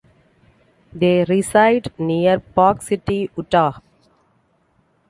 They reside near Park City, Utah.